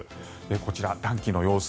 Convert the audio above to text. こちら、暖気の様子